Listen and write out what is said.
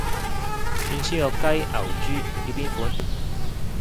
串燒有雞牛豬要邊款？